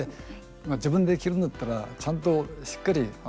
自分で着るんだったらちゃんとしっかり